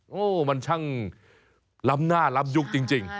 โอ้โหมันช่างล้ำหน้าล้ำยุคจริง